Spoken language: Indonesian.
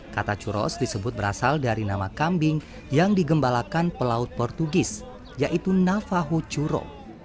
kata churros disebut berasal dari nama kambing yang digembalakan pelaut portugis yaitu navajo churro